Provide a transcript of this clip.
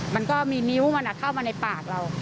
มันก็มีนิ้วมันเข้ามาในปากเรา